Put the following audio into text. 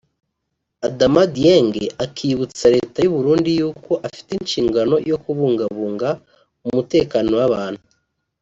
Adama Dieng akibutsa leta y’u Burundi yuko ifite inshingano zo kubungabunga umutekano w’abantu